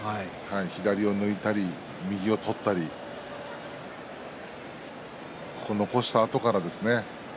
左を抜いたり、右を取ったり残したあとから。